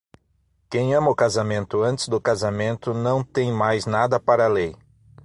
Quem ama o casamento antes do casamento não tem mais nada para a lei.